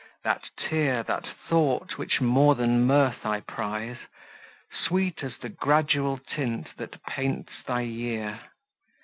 That tear, that thought, which more than mirth I prize— Sweet as the gradual tint, that paints thy year!